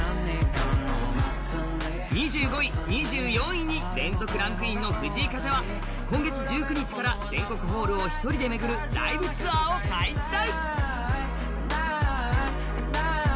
２５位、２４位に連続ランクインの藤井風は今月１９日から全国ホールを１人で巡るライブツアーを開催。